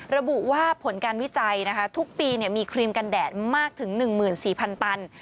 ระบุว่าผลการวิจัยทุกปีมีครีมกันแดดมากถึง๑๔๐๐ตัน